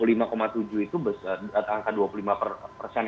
lima tujuh itu angka dua puluh lima persen